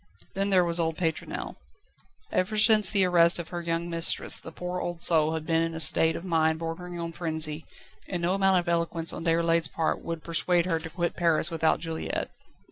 Then there was old Pétronelle. Ever since the arrest of her young mistress the poor old soul had been in a state of mind bordering on frenzy, and no amount of eloquence on Déroulède's part would persuade her to quit Paris without Juliette.